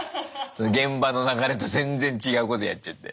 現場の流れと全然違うことやっちゃって。